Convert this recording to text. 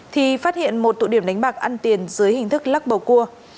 thì phát hiện một tụ điểm đánh bạc ăn tiền dưới hình thức lắc bầu cua